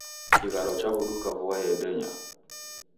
kigharo chaw'uduka vua yendenya